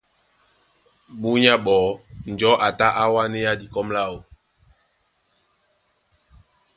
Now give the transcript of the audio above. Búnyá ɓɔɔ́ njɔ̌ a tá á wánéá dikɔ́m láō.